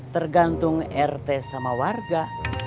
tergantung rt sama warga